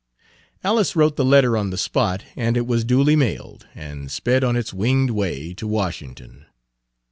Alice wrote the letter on the spot and it was duly mailed, and sped on its winged way to Washington.